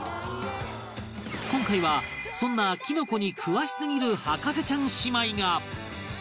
今回はそんなきのこに詳しすぎる博士ちゃん姉妹が